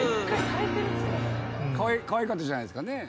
かわいかったじゃないですかね？